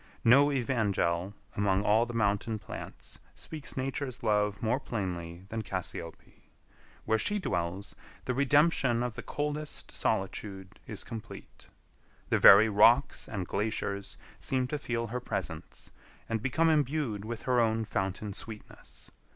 No evangel among all the mountain plants speaks Nature's love more plainly than cassiope. Where she dwells, the redemption of the coldest solitude is complete. The very rocks and glaciers seem to feel her presence, and become imbued with her own fountain sweetness.